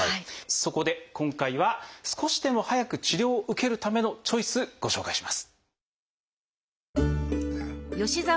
そこで今回は少しでも早く治療を受けるためのチョイスご紹介します。